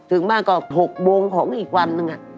ถึงบ้านก็๖โมงของอีกวันหนึ่ง